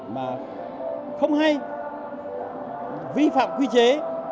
mà không hay vi phạm quy chế